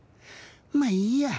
まあいいや。